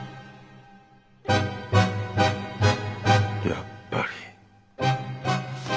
やっぱり。